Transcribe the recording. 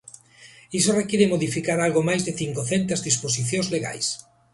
Iso require modificar algo máis de cincocentas disposicións legais.